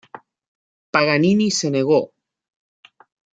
Paganini se negó.